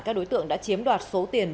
các đối tượng đã chiếm đoạt số tiền